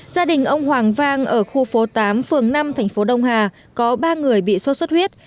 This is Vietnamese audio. gia đình ông hoàng vang ở khu phố tám phường năm tp đông hà có ba người bị xuất xuất huyết